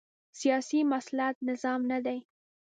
سیاسي مسلط نظام نه دی